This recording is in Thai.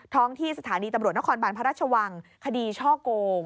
ที่สถานีตำรวจนครบานพระราชวังคดีช่อโกง